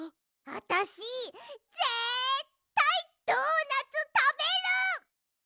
あたしぜったいドーナツたべる！